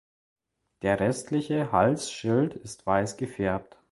Der restliche Halsschild ist weiß gefärbt.